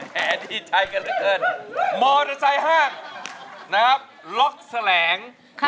แฮ่ดีใจกันเลยเกินมอเตอร์ไซด์ห้างนะครับล็อคแสลงค่ะ